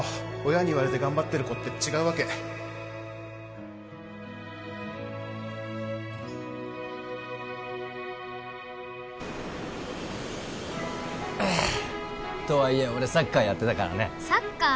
親に言われて頑張ってる子って違うわけあーっとはいえ俺サッカーやってたからねサッカー？